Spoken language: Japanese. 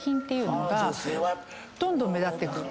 どんどん目立ってくる。